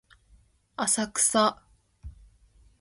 浅草